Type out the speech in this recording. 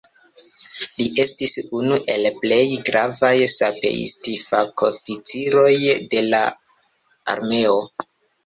Li estis unu el plej gravaj sapeist-fakoficiroj de la armeo.